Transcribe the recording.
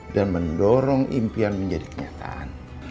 dan mendorong impian menjadi kenyataan